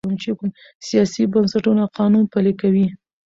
سیاسي بنسټونه قانون پلي کوي